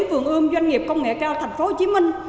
vườn ươm doanh nghiệp công nghệ cao thành phố hồ chí minh